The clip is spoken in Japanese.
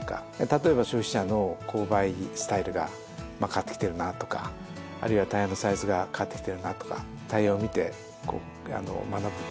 例えば消費者の購買スタイルが変わってきてるなとかあるいはタイヤのサイズが変わってきてるなとかタイヤを見て学ぶっていうか気付くんですね。